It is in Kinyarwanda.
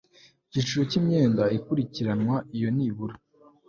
icyiciro cy'imyenda ikurikiranwa iyo nibura